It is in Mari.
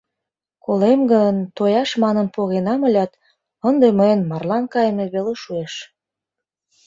Колем гын, тояш манын погенам ылят, ынде мыйын марлан кайыме веле шуэш.